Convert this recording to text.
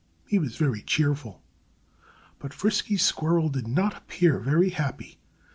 He was very cheerful. But Frisky Squirrel did not appear very happy.